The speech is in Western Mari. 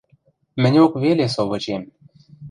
Мӹньок веле со вычем...